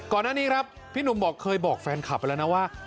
ก่อนหน้านี้ครับพี่หนุ่มบอกเคยบอกแฟนคลับไปแล้วนะว่า